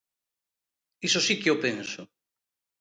Iso si que o penso.